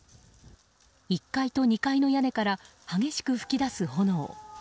１階と２階の屋根から激しく噴き出す炎。